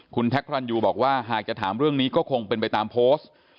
คุณแท็กพระรันยูบอกว่าหากจะถามเรื่องนี้ก็คงเป็นไปตามโพสต์